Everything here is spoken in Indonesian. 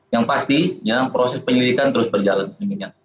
yang pasti proses penyelidikan terus berjalan